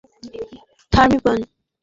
Sir, তার নাম পার্থিপন।